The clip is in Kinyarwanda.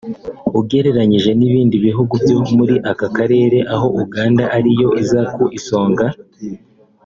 ugereranyije n’ibindi bihugu byo muri aka karere aho Uganda ariyo iza ku isonga